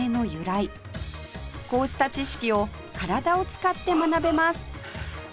こうした知識を体を使って学べます